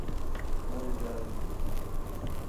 مہ براگ این